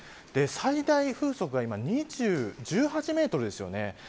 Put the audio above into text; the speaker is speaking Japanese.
最大風速が今１８メートルですよね。